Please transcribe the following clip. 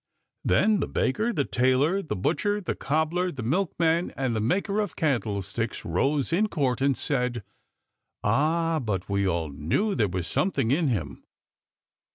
Then the baker, the tailor, the butcher, the cobbler, the milkman, and the maker of candlesticks rose in court and said " Ah, but we all knew there was something in him."